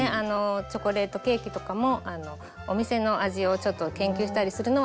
チョコレートケーキとかもお店の味をちょっと研究したりするのは好きでした。